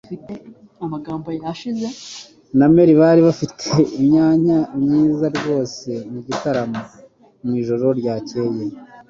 na Mary bari bafite imyanya myiza rwose mugitaramo mwijoro ryakeye.